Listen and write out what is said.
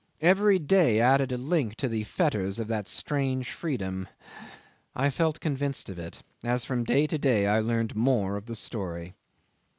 Every day added a link to the fetters of that strange freedom. I felt convinced of it, as from day to day I learned more of the story.